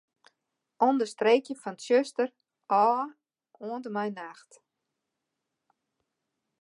Understreekje fan 'tsjuster' ôf oant en mei 'nacht'.